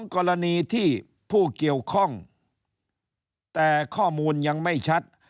กรณีที่ผู้เกี่ยวข้องแต่ข้อมูลยังไม่ชัด